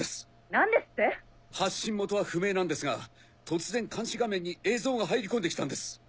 何ですって⁉発信元は不明なんですが突然監視画面に映像が入り込んできたんです。